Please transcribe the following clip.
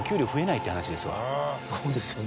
そうですよね。